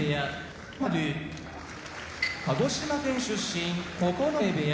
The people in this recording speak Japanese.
鹿児島県出身九重部屋